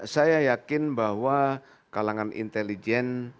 saya yakin bahwa kalangan intelijen